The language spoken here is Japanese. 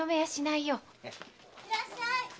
・いらっしゃい！